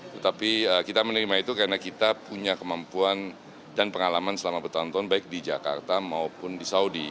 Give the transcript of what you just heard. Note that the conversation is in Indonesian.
tetapi kita menerima itu karena kita punya kemampuan dan pengalaman selama bertahun tahun baik di jakarta maupun di saudi